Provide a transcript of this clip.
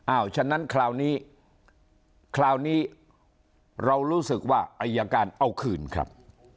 ฉะนั้นคราวนี้คราวนี้เรารู้สึกว่าอายการเอาคืนครับ